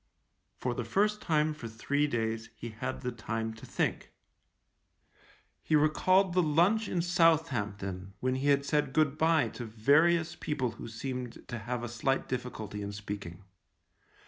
For the first time for three days he had the time to think. He recalled the lunch in Southampton when he had said good bye to various people who seemed to have a slight difficulty in speaking.